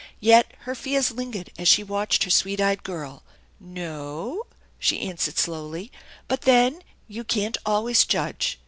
Yet her fears lingered as she watched her sweet eyed girl. "No o o," she answered slowly; "but then, you can't always judge.